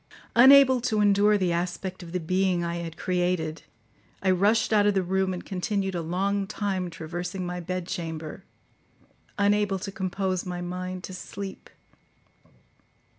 Unable to endure the aspect of the being I had created, I rushed out of the room and continued a long time traversing my bed chamber, unable to compose my mind to sleep.